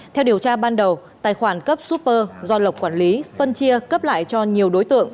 theo điều tra ban đầu tài khoản cấp úper do lộc quản lý phân chia cấp lại cho nhiều đối tượng